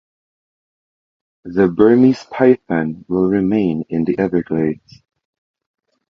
The Burmese python will remain in the Everglades.